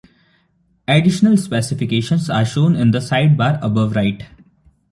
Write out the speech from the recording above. Additional specifications are shown in the sidebar above right.